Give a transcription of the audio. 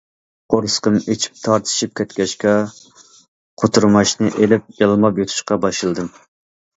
قورسىقىم ئېچىپ تارتىشىپ كەتكەچكە قوتۇرماچنى ئېلىپ يالماپ يۇتۇشقا باشلىدىم.